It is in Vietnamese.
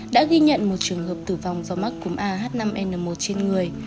đã ghi nhận một trường hợp tử vong do mắc cúm ah năm n một trên người